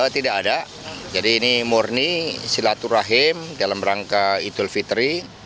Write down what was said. tidak ada jadi ini murni silaturahim dalam rangka idul fitri